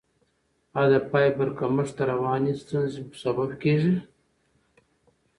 آیا د فایبر کمښت د رواني ستونزو سبب کیږي؟